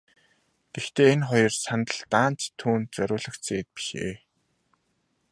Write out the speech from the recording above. Гэхдээ энэ хоёр сандал даанч түүнд зориулагдсан эд биш ээ.